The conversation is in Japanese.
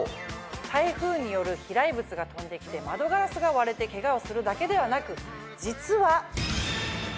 台風による飛来物が飛んできて窓ガラスが割れてけがをするだけではなく実は。